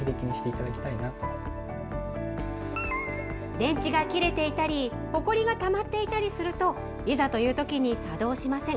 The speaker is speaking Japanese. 電池が切れていたり、ほこりがたまっていたりすると、いざというときに作動しません。